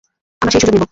আমরা সেই সুযোগ নিব।